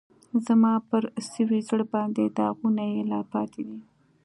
زما پر سوي زړه باندې داغونه یې لا پاتی دي